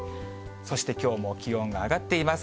そしてきょうも気温が上がっています。